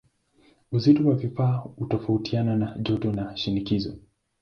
Uzito wa vifaa hutofautiana na joto na shinikizo.